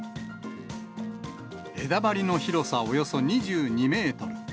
枝張りの広さおよそ２２メートル。